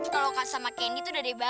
kalau gak sama candy tuh udah deh bye di